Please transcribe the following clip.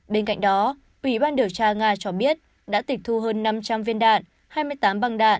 bên cạnh đó ủy ban điều tra nga cho biết đã tịch thu hơn năm trăm linh viên đạn hai mươi tám băng đạn